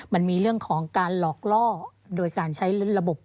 มันมีเรื่องของการหลอกล่อ